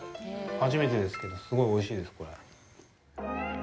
初めてですけど、すごいおいしいです、これ。